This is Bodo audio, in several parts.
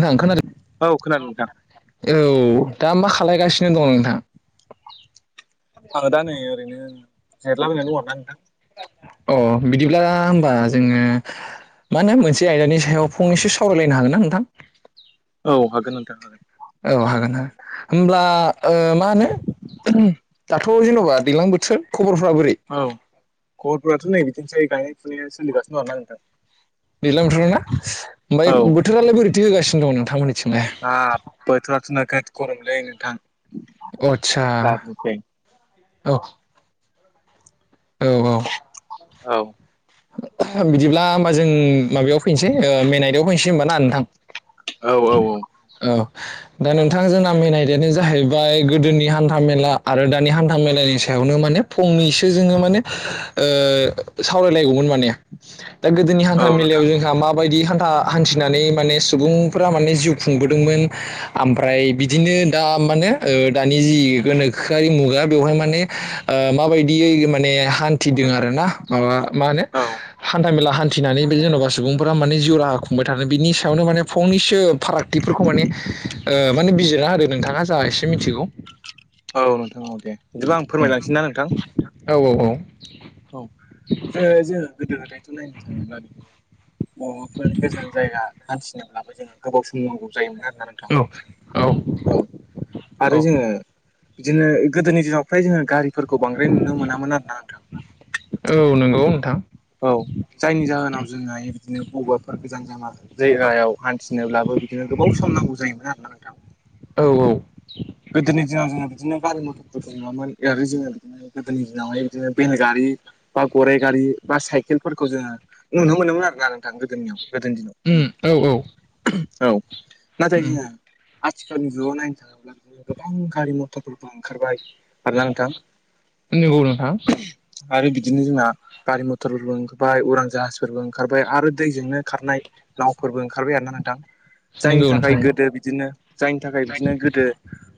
नोंथा खोनादों औ खोनानो नोंथां औ दा मा खालायगासिनो दं नोंथां आङो दा नै ओरैनो जिरलाबायनाय दं आरो ना नोंथां अ बिदिब्ला होमबा जोङो मा होनो मोनसे आयदानि सायाव फंनैसो सावरायलायनो हागोन ना नोंथां औ हागोन नोंथां हागोन औ हागोन होन होमब्ला मा होनो दाथ' जेन'बा दैलां बोथोर खबरफ्रा बोरै औ गरफोराथ' नै बिदिनोसै गायनाय फुनाया सोलिगासिनो दं आरोना नोंथां दैलां बोथोराव ना ओमफ्राय औ बोथोरालाय बोरैथि होगासिनो दं नोंथांमोननिथिंलाय बोथोराथ'नोख गरमलै नोंथां आतसा दाबुसै औ औ औ औ बिदिब्ला होमबा जों माबायाव फैनोसैनाय बेयाव फैनोसै होमबाना नोंथां औ औ औ औ दा नोंथां जोंना मिाय दानो जाहैबाय गोदोनि हान्था मेला आरो दानि हान्था मेलानि सायाव आवनो माने फंनैसो जोङो माने ओ सावराय गौ माने दा गोदोनि औ हान्था मेला नोंथां आव जोंहा मा बायदि हान्था हान्थिनानै माने सुबुंफोरा मान जिउ खुंबोदोंमोन आफ्राय बिदिनो दा माने दानि जि गोनखोआर मुगा बेयावहाय माने माबायदि माने हान्थिदों आरोना ना मा होनो औ हान्था मेला फथिनानै बे जेन'बा सुबुंफोरा माने जिउ राहा खुंबाय थानो बिनि सायावनो माने फंनैसो फारागथिफोरखौ माने ओ माने बिजिरना होदो नोंथाङा जा एसे मिथिगौ औ नोंथां औ दे बिदिब्ला आं फोरमायलांसै ना नोंथां औ औ औ औ जेरै जोङो गोदो गोदायथ' नायनो थाङोब्ला बबावबाफोर गोजान जायगा हान्थिनोब्लाबो जोङो गोबाव सम नांगौ जायोमोन आरो ना नोंथां औ औ आरो जोङो बिदिनो गोदोनि दिनाव फ्राय जोङो गारिफोरखौ बांद्राय नुनो मोनामोन आरोना नोंथां औ नंगौ नोंथां औ जायनि जाहोनाव जोंहा बिदिनो बबावबाफोर गोजान जामा जायगायाव हान्थिनोब्लाबो बिदिनो गोबाव सम नांगौ जायोमोन आरोना नोंथां औ औ गोदोनि दिनाव जोङो बिदिनो गारि मथरफोरखौ नुवामोन [inaudible] जोङो गोदोनि दिनावहाय बिदिनो बेलगारि, बा गराइ गारि, बा साइकेलफोरखौ जोङो नुनो मोनोमोन आरो ना नोंथां गोदोनियाव गोदोनि दिनाव उम औ औ। औ नाथाय उम जोंहा आथिखालनि जुगाव नायनो थाङोब्ला गोबां गारि मथरफोरबो ओंखारबाय आरोना नोंथां नंगौ नोंथां आरो बिदिनो जोंना गारि मथरफोरबो ओंखारबाय उरां जाहाजफोरबो ओंखारबाय आरो दैजोंनो खारनाय नावफोरबो ओंखारबाय आरोना नोंथां जायनि नंगौ नोंथां थाखाय नंगौ गोदो बिदिनो जायनि थाखाय बिदिनो गोदो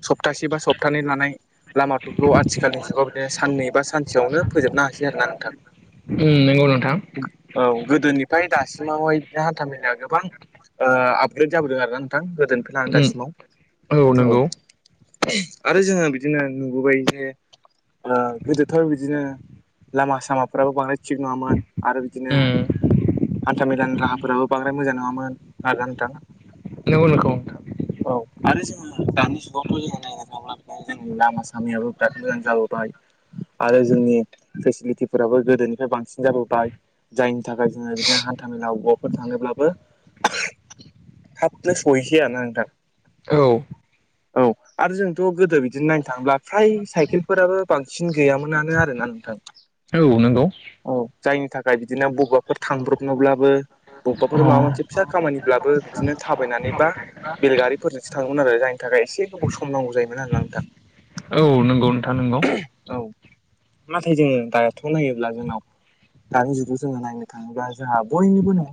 सप्तासे बा सप्तानै लानाय लामाफोरखौ आथिखालनि जुगाव बिदिनो साननै बा सानसेयावनो फोजोबनो हासै आरोना नोंथां उम नंगौ नोंथां औ गोदोनिफ्राय दासिमावहाय बिदिनो हान्था मेेलाया गोबां ओ आपग्रेद जाबोदों आरोना नोंथां गोदोनिफ्राय लानानै उम दासिमाव औ आरो जोङो बिदिनो नुबोबाय जे ओ गोदोथ' बिदिनो। लामा सामाफ्राबो बांदाय थिग नङामोन आरो बिदिनो उम हान्था मेलानि राहाफोराबो बांद्राय मोजां नङामोन [inaudible] नंगौ नंगौ औ आरो जोङो दानि जुगावथ' जोङो नायनो थाङोब्ला बिदिनो जोंनि लामा सामायाबो बिराद मोजां जाबोबाय आरो जोंनि फेसिलिटिफोराबो गोदोनिफ्राय बांसिन जाबोबाय जायनि थाखाय जोङो बिदिनो हान्था मेलायाव बबेबा फोर थाङोब्लाबो थाबनो सहैसै आरो ना नोंथां औ। औ आरो जोंथ' गोदो बिदिनो नायनो थाङोब्ला फ्राय साइकेलफोराबो बांसिन गैयामोनानो आरोना नोंथां औ नंगौ औ जायनि थाखाय बि दिनो बबाफोर थांब्रबनोब्लाबो अ बबेबाफोर माबा मोनसे फिसा खामानिब्लाबो बिदिनो थाबायनानै बा बेलगारिफोरजोंसो थाङोमोन आरो जाय नि थाखाय एसे गोबाव सम नांगौ जायोमोन आरोना नोंथां। औ नंगौ नोंथां नंगौ औ। नाथाय जोङो दाथ' नायोब्ला जोंनाव दानि जुगाव जोङो नायनो थाङोब्ला जोंहा बयनिबो नआव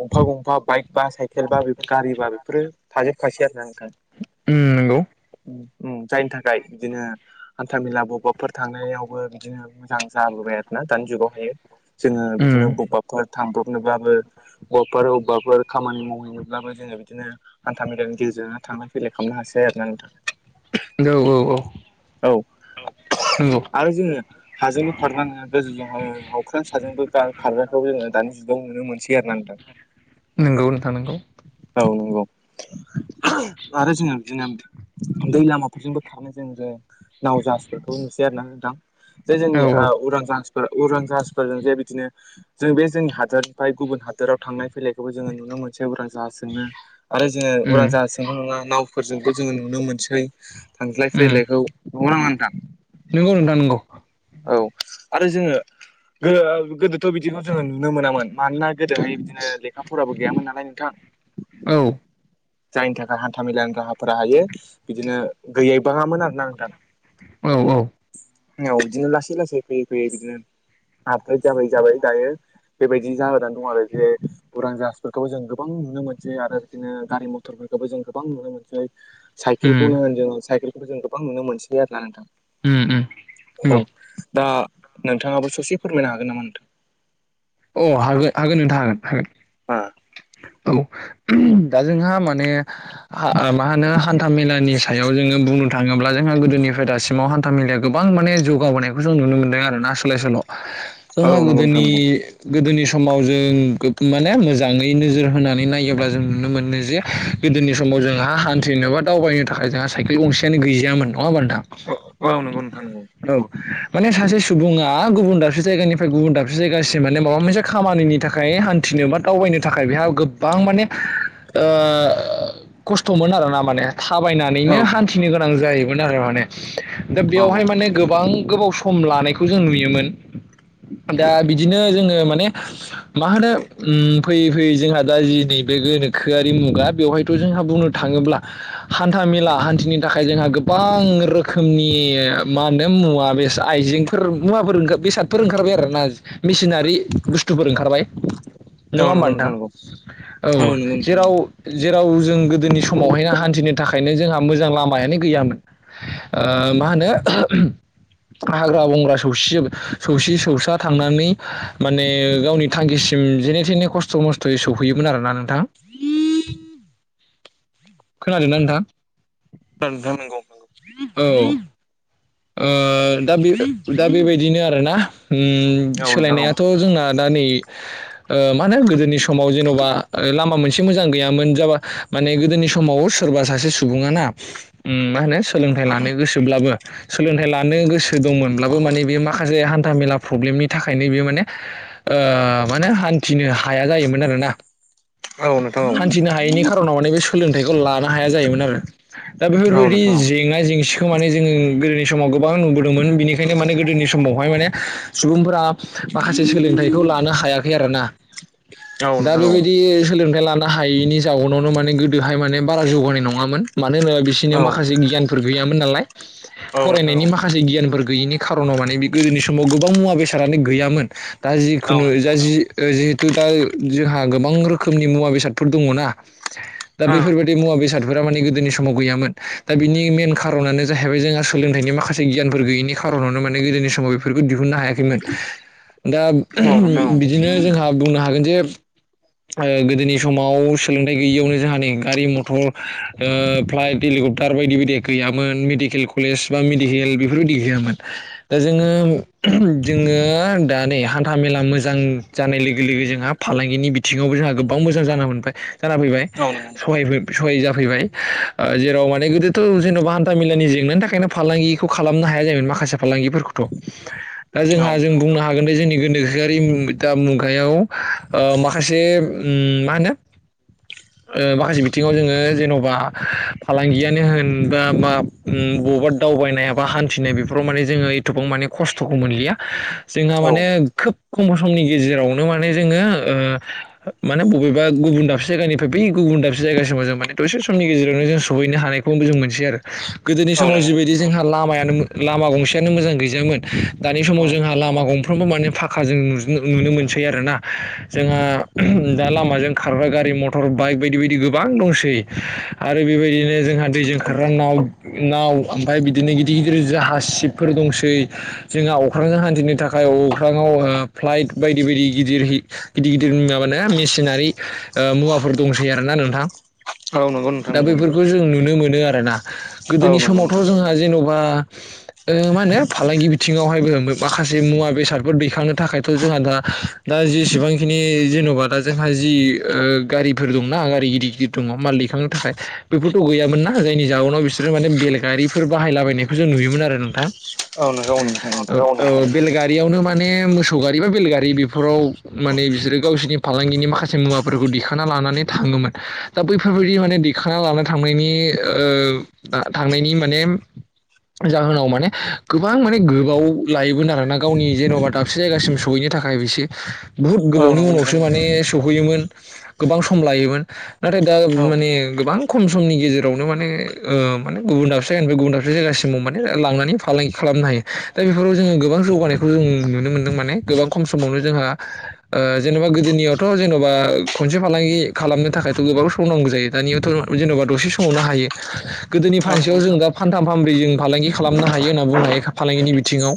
गंफा गंफा बाइक बा साइकेल बा गारि बा बेफोरो थाजोबखासै आरो ना नोंथां ओम नंगौ ओम जायनि थाखाय बिदिनो हान्था मेला बबाफोर थांनायावबो बिदिनो मोजां जाबोबाय आरोना दानि जुगावहायो जोङो बिदिनो बबेबाफोर थांब्रबनोबाबो बबेबाफोर अबेबाफोर खामानि मावहैनोब्लाबो जोङो बिदिनो हान्था मेलानि गेजेरजोंनो थांनानै [inaudible] खालामनो हासै आरो ना नोंथां औ औ नंगौ। आरो जोङो हाजोंल' खारलांनो हाया गोजौजोंबो अख्रां साजोंबो खारनायखौ जोङो दानि जुगाव नुनो मोनसै आरो ना नोंथां नोंगौ नोंथां नोंगौ औ [inaudible] जोंना दै लामाफोरजोंबो खारनाय जों जे नाव जाहासफोरखौ नुसै आरो ना नोंथां जे औ जोंनि औ उरां जाहास जाहाजफोर जों जे बिदिनो जों बे जोंनि हादोरनि गुबुन हादोराव थांनाय फैलायखौबो जोङो नुनो मोनसै उरां जाहासजों नो आरो जोङो उम उरां जाहास जोंल नङा नावफोरजोंबो जोङो नुनो मोनसै थांज्लाय उम फैलायखौ नड़ा नामा नोंथां नंगौ नोंथां नंगौ औ आरो जोङो गोदोथ' बिदिखौ जोङो नुनो मोनामोन मानोना गोदोहाय बिदिनो लेखा फराबो गैयामोन नालाय नोंथां औ‌। जायनि थाखाय हान्था मेलानि राहाफोरा हायो बिदिनो गैयै बाङामोन आरोना नोंथां औ औ। औ बिदिनो लासै लासै फैयै फैयै बिदिनो आपग्रेद जाबोयै जाबोयै दायो बेबायदि जाबोनानै दं आरो जे उरां जाहासफोरखौबो जों गोबां नुनो मोनसै आरो बिदिनो गारि मथर खौबो जों गोबां नुनो मोनसै, उम साइकेलखौनो होन जों, साइकेलखौ जों गोबां नुनो मोनसै आरो ना नोंथां। उम उम। औ नंगौ दा नोंथाङाबो ससे फोरमायनो हागोन नामा नोंथां? औ हागोन हागोन नोंथा हागोन हागोन। औ दा जोंहा माने हा मा होनो हान्था मेलानि सायाव जोङो बुंनो थाङोब्ला जोंहा गोदोनिफ्राय दासि माव हान्थाेया गोबां माने जौगाबोनायखौ जों नुनो मोनदों आरोना सोलाय सोल'। औ जोंहा गोदोनि गोदोनि समाव जों माने मोजाङै नोजोर होनानै नायोब्ला जों नुनो मोनो जे गोदोनि समाव जोंहा हान्थिनो बा दावबायनो थाखाय जोंहा साइकेल गंसेयानो गैजायामोन। नङा होनबा नोंथां? नंगौ नोंथां नंगौ औ माने सासे सुबुङा गुबुन दाबसे जायगानि फ्राय गुबुन दाबसे जायगासिम माने माबा मोनसे खामानिनि थाखाय हान्थिनो बा दावबायनो थाखाय बेहा गोबां माने ओ खस्थ'मोन आरोना माने औ थाबायनानैनो नंगौ हान्थिनो गोनां जायो मोन आरो माने। दा औ बेयावहाय माने गोबां गोबाव सम लानायखौ जों नुयोमोन। दा बिदिनो जों जोङो माने मा होनो ओम फैयै फैयै जोंहा दा जि नै बे गोनोखोआरि मुगा बेवहायथ' जोंहा बुंनो थाङोब्ला हान्था मेला हान्थिनि थाखाय जोंहा गोबां रोखोमनि मा होनो मुवा बे आइजेंफोर मुवाफोर ओंखार बेसादफोर ओंखारबाय आरोना, मेसिनारि बुस्थुफोर ओंखारबाय। नङा औ होमबा नंगौ नोंथां? नंगौ औ नंगौ नोंथां नंगौ नोंथां नंगौ जेराव जेराव जों गोदोनि समावहायनो हान्थिनो थाखायनो जोंहा मोजां लामायानो गैयामोन। ओ मा होनो हाग्रा बंग्रा सौसिजुब सौसि सौसा थांनानै माने गावनि थांखिसिम जेने थेने खस्थ' मस्थ'यै सौफैयोमोन आरोना नोंथां। [unintelligible] खोनादोंना नोंथां? औ नोंथां नंगौ नंगौ। औ ओ दा बेबा दा बेबायदिनो आरोना। ओम औ नोंथां औ सोलायनायाथ' जोंना दा नै मा होनो गोदोनि समाव जेन'बा लामा मोनसे मोजां गैयामोन जाबा माने गोदोनि समाव सोरबा सासे सुबुङाना मा होनो सोलोंथाइ लानो गोसोब्लाबो सोलोंथाइ लानो गोसो दंमोनब्लाबो माने बे माखासे हान्था मेला प्रब्लेमनि थाखायनो बेयो माने ओ माने हान्थिनो हाया जायोमोन आरो ना। औ नोंथां। औ हान्थिनो हायैनि खारनावनो बे सोलोंथाइखौ लानो हाया जायोमोन आरो। दा बेफोरबायदि जेंना जेंसि खौ माने जोङो गोदोनि समाव गोबां नुबोदोंमोन बेनिखायनो माने गोदोनि समावहाय माने सुबुंफोरा माखासे सोलोंथाइखौ लानो हायाखै आरोना। औ नोंथां औ दा नोंथां बे बायदि सोलोंथाइ लानो हायैनि जाउनावनो माने गोदोहाय माने बारा जौगानाय नङामोन। मानो होनोबा बिसोरनि औ माखासे गियानफोर गैयामोन नालाय, औ नोंथां औ नोंथां फरायनायनि माखासे गियानफोर गैयिनि खार'नाव माने बे गोदोनि समाव गोबां मुवा बेसादानो गैयामोन दा जिखुनु जा जि जि दा जोंहा गोबां रोखोमनि मुवा बेसादफोर दङ'ना, दा बेफोरबायदि मुवा बेसाद फोरा माने गोदोनि समाव गैयामोन दा बिनि मेइन खार'नानो जाहैबाय जोंहा सोलोंथाइनि माखासे गियानफोर गैयिनि खार'नावनो माने गोदोनि समाव बेफोरखौ दिहुननो हायाखैमोन। दा औ बिदिनो जोंहा बुंनो हागोन जे ओ गोदोनि समाव सोलोंथाइ गैयियावनो जोंहानि गारि मथर ओ फ्लाइट हेलीकप्टार बायदि बायदिया गैयामोन मेडिकेल कलेज बा मेडिकेल बेफोरबायदि गैयामोन। दा जोङो जोङो दा नै हान्था मेला मोजां जानाय लोगो लोगो जोंहा फालांगिनि बिथिङावबो जोंहा गोबां मोजां जाना मोनबाय जाना फैबाय नोंथां औ सहाय जाफैबाय ओ जेराव माने गोदोथ' जेन'बा हान्था मेलानि जेंनानि थाखायनो फालांगिखौ खालामनो हाया जायोमोन माखासे फालांगिफोरखौथ' दा औ जोंहा जों नोंथां बुंनो हागोन दे जोंनि गोनोखोआरि दा मुगायाव ओ माखासे मा होनो [inaudible] ओ माखासे बिथिङाव जोङो जेन'बा फालांगियानो होनबा बा ब'बा दाउ दावबायनाया एबा हान्थिनाय बेफोराव माने जोङो एथुबां माने खस्थ'खौ मोनलिया जोंहा औ माने खोब खम समनि गेजेरावनो माने जोङो ओ माने बबेबा गुबुन दाबसे जायगानिफ्राय बै गुबुन दाबसे जायगासिम जों माने दसे समनि गेजेरावनो जों सहैनो हानायखौ जों मोनसै आरो गोदोनि औ समाव नंगौ जिबायदि जोंहा लामायानो लामा गंसेआनो मोजां गैजायामोन बे औ समाव जोंहा लामा गंफ्रोमबो माने फाखाजों नुनो मोनसै आरोना जोंहा दा लामाजों खारग्रा गारि मथर बाइक बायदि बायदि गोबां दंसै आरो बेबायदिनो जोंहा दैजों खारग्रा नाव नाव ओमफ्राय बिदिनो गिदिर गिदिर जाहा सिबफोर दंसै जोंहा अख्रांजों हान्थिनो थाखाय अख्राङाव फ्लाइट बायदि बायदि गिदिर गिदिर गिदिर गिर माबानाया मेसिनारि ओ मुवाफोर दंसै आरोना नोंथां औ नंगौ नोंथां दा नंगौ नंगौ बैफोरखौ जों नुनो मोनो आरोना औ गोदोनि नंगौ नोंथां समावथ' जोंहा जेन'बा ओ मा होनो फालांगि बिथिङाव माखासे मुवा बेसादफोर दैखांनो थाखायथ' जोंहा दा दा जेसेबां बिखिनि जेन'बा दा जोंहा जि ओ गारिफोर दंना गारि गिदिर गिदिर दङ माल दैखांनो थाखाय बेफोरथ' गैयामोनना जायनि जाउनाव बिसोरो माने बेलगारिफोर बाहायलाबायनायखौ जों नुयोमोन आरो नोंथां औ नंगौ नोंथां नंगौ औ औ बेलगारियावनो माने मोसौ गारि बा बेलगारि बेफोराव माने बिसोरो गावसोरनि फालांगिनि माखासे मुवाफोरखौ दिखांना लानानै थाङोमोन दा बैफोर बायदि माने दिखांना लाना थांनायनि ओ थांनायनि माने जाहोनाव माने गोबां माने गोबाव लायोमोन आरोना गावनि जेन'बा दाबसे जायगासिम सहैनो थाखाय बेसे बुहुत औ गोबावनि नंगौ नोंथां उनावसो नंगौ माने सहैयोमोन गोबां सम लायोमोन नाथाय दा औ माने गोबां खम समनि गेजेरावनो माने ओ माने गुबुन दाबसे जायगानिफ्राय गुबुन दाबसे जायगासिमाव माने लांनानै फालांगि खालामनो हायो दा बेफोराव जोङो गोबां जौगानायखौ जों नुनो मोन्दों माने गोबां खम समावनो जोंहा ओ जेन'बा गोदोनियावथ' जेन'बा खनसे फालांगि खालामनो थाखायथ' गोबां समनांगौ जायो दानियावथ' जेन'बा दसे समावनो हायो गोदोनि औ नंगौ फानसेयाव जों नोंथां दा फानथाम फानब्रै जों फालांगि खालामनो हायो होनना बुंनो हायो फालांगिनि बिथिङाव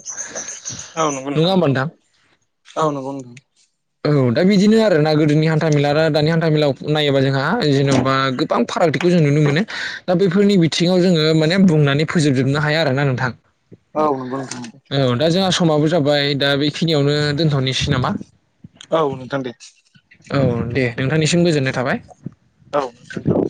औ नंगौ नङा होमबा नोंथां औ नंगौ नोंथां औ दा बिदिनो आरो ना गोदोनि हान्था मेला आरो दानि हान्था मेलायाव नायोबा जोंहा जेन'बा गोबां फारागथिखौ जों नुनो मोनो दा बेफोरनि बिथिङाव जोङो माने बुंनानै फोजोबजुबनो हाया आरो ना नोंथां औ औ दा जोंहा समाबो जाबाय दा बेखिनियावनो दोनथ'नोसै नामा औ नोंथां दे औ दे नोंथांनिसिम गोजोननाय थाबाय औ नोंथां दे औ